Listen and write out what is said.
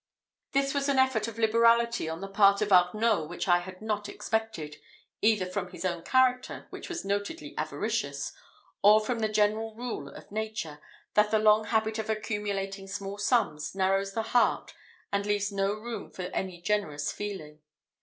This was an effort of liberality on the part of Arnault which I had not expected, either from his own character, which was notedly avaricious, or from the general rule of nature, that the long habit of accumulating small sums narrows the heart and leaves no room for any generous feeling.